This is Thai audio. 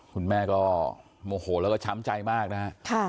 คุณแม่ก็โมโหแล้วก็ช้ำใจมากนะฮะ